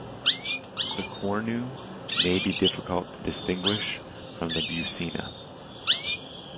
The "cornu" may be difficult to distinguish from the buccina.